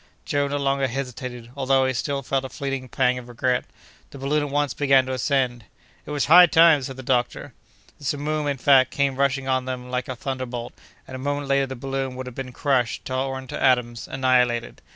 Joe no longer hesitated, although he still felt a fleeting pang of regret. The balloon at once began to ascend. "It was high time!" said the doctor. The simoom, in fact, came rushing on like a thunderbolt, and a moment later the balloon would have been crushed, torn to atoms, annihilated.